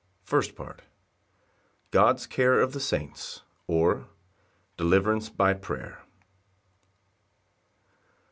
First Part. L. M. God's care of the saints; or, Deliverance by prayer.